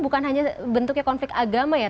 bukan hanya bentuknya konflik agama ya